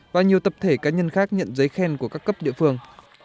và nhiều tập thể cá nhân khác nhận giấy khen của các cấp địa phương